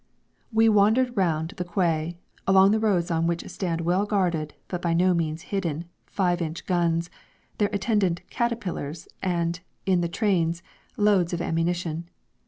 We wandered round the quay, along the roads on which stand well guarded, but by no means hidden, 5 inch guns, their attendant "caterpillars," and, in the trains, loads of ammunition.